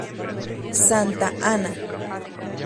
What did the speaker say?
Santa Ana.